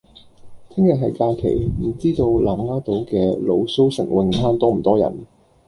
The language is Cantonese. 聽日係假期，唔知道南丫島嘅蘆鬚城泳灘多唔多人？